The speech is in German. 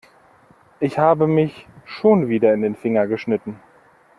Ich habe mich schon wieder in den Finger geschnitten.